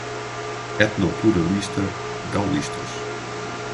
Etnopluralista, gaullistas